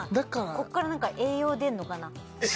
ここから何か栄養出るのかな？